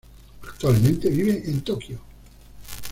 Actualmente vive en Tokio.